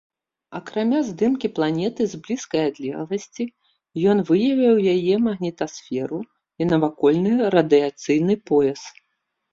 Акрамя здымкі планеты з блізкай адлегласці, ён выявіў яе магнітасферу і навакольны радыяцыйны пояс.